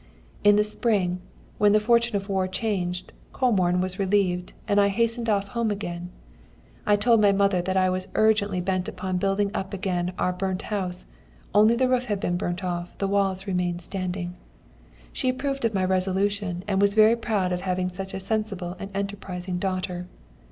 "In the spring, when the fortune of the war changed, Comorn was relieved, and I hastened off home again. I told my mother that I was urgently bent upon building up again our burnt house only the roof had been burnt off, the walls remained standing. She approved of my resolution, and was very proud of having such a sensible and enterprising daughter.